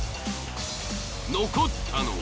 残ったのは。